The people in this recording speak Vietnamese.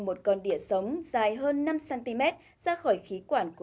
một con đĩa sống dài hơn năm cm ra khỏi khí